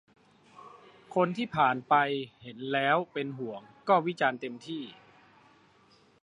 คนที่ผ่านไปเห็นแล้วเป็นห่วง ก็วิจารณ์เต็มที่